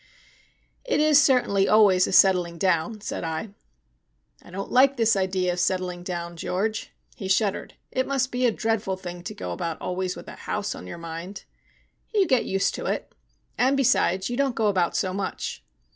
"It is certainly always a settling down," said I. "I don't like this idea of settling down, George." He shuddered. "It must be a dreadful thing to go about always with a house on your mind." "You get used to it. And, besides, you don't go about so much."